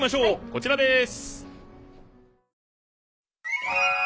こちらです！